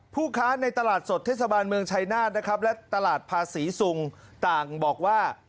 ผู้ค้าในตลาดสดเทศบาลเมืองชายนาฏนะครับและตลาดภาษีซุงต่างบอกว่า